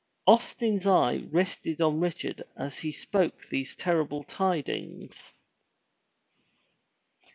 Austin's eye rested on Richard as he spoke these terrible tidings.